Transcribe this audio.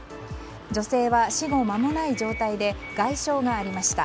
女性は死後間もない状態で外傷がありました。